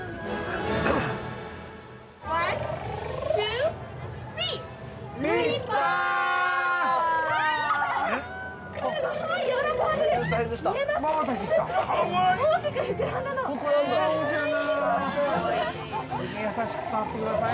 ◆夫人、優しく触ってください。